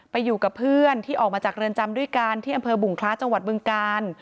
อยู่กับเพื่อนที่ออกมาจากเรือนจำด้วยกันที่อำเภอบุงคล้าจังหวัดบึงกาล